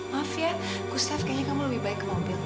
maaf ya gustaf kayaknya kamu lebih baik ke mobil